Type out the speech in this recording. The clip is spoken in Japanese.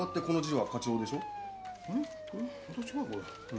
これ。